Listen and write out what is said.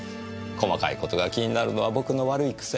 細かい事が気になるのは僕の悪い癖。